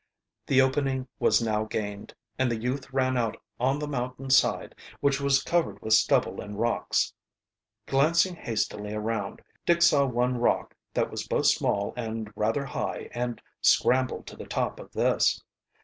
The opening was now gained, and the youth ran out on the mountain side, which was covered with stubble and rocks. Glancing hastily around, Dick saw one rock that was both small and rather high and scrambled to the top of this.